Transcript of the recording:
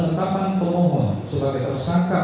dan alat bukti lainnya